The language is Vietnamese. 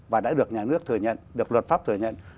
và đã được nhà nước thừa nhận được luật pháp thừa nhận